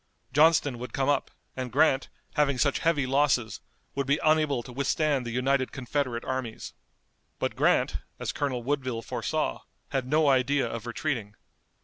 Johnston would come up, and Grant, having such heavy losses, would be unable to withstand the united Confederate armies. But Grant, as Colonel Woodville foresaw, had no idea of retreating.